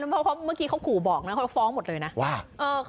มึงไม่ให้กูเลือกกูให้กูเลือกตลอดแค่นั้นแหละ